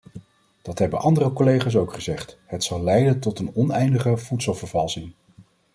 Dat hebben andere collega's ook gezegd: het zal leiden tot een oneindige voedselvervalsing.